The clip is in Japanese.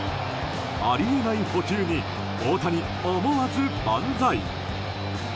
あり得ない捕球に大谷、思わず万歳。